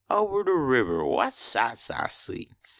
Ober de ribber what sights I see